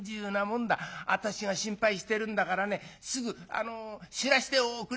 「私が心配してるんだからねすぐ知らしておくれよ」。